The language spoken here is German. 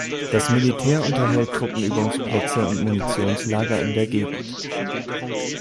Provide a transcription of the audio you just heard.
Das Militär unterhält Truppenübungsplätze und Munitionslager in der Gegend.